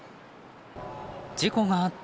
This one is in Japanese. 事故があった